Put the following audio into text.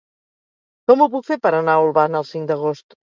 Com ho puc fer per anar a Olvan el cinc d'agost?